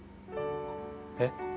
えっ？